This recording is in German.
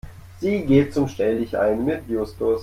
Sie geht zum Stelldichein mit Justus.